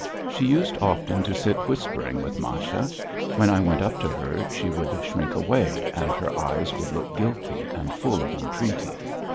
She used often to sit whispering with Masha. When I went up to her, she would shrink away, and her eyes would look guilty and full of entreaty.